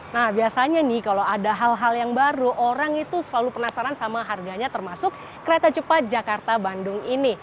nah biasanya nih kalau ada hal hal yang baru orang itu selalu penasaran sama harganya termasuk kereta cepat jakarta bandung ini